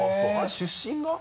出身が？